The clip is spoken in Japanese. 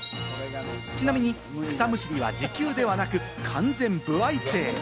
ちなみに草むしりは時給ではなく完全歩合制。